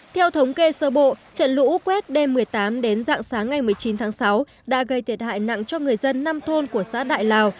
theo thống kê sơ bộ trận lũ quét đêm một mươi tám đến dạng sáng ngày một mươi chín tháng sáu đã gây thiệt hại nặng cho người dân năm thôn của xã đại lào